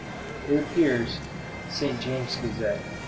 It appears ("St. James' Gazette", Dec.